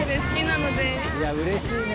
いやうれしいね。